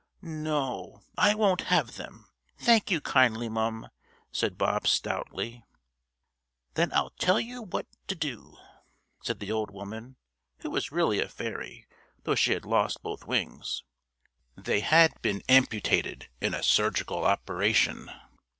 "No, I won't have them, thank you kindly, mum," said Bob stoutly. "Then I'll tell you what to do," said the old woman, who was really a fairy, though she had lost both wings they had been amputated in a surgical operation.